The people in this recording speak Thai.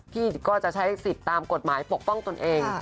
พี่ก็จะใช้สิทธิ์ตามกฎหมายปกป้องตนเอง